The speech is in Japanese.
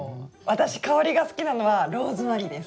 私香りが好きなのはローズマリーです。